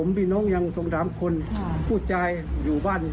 มันเรื่องของผม